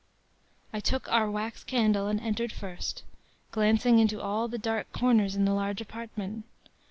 “I took our wax candle and entered first, glancing into all the dark corners in the large apartment.